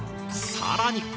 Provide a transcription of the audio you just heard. さらに！